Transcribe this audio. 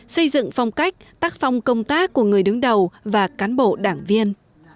xây dựng phong cách tác phong công tác của người đứng đầu và cán bộ đảng viên